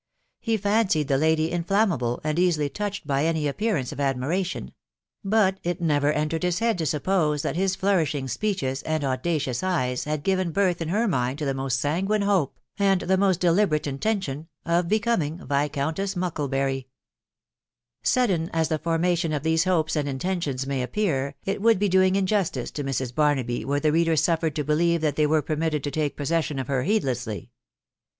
He fancied the lady inflammable, and easily touched by any appearance of admiration ; but it never entered his head to suppose that his flourishing speeches and audacious eyes had given birth in her mind to the most sanguine hope, and the most deliberate intention, of becoming Viscountess Mucklebury. J14 THE WIDOW BARNABY* Sudden as the formation of these hopes and intentions my appear, it would be doing injustice to Mrs. Barnaby were tit leader suffered to believe that they were permitted to tike possession of her heedlessly.